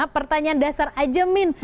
pertanyaan dasar ajemin